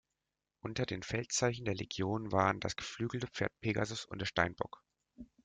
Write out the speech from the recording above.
Unter den Feldzeichen der Legion waren das geflügelte Pferd Pegasus und der Steinbock.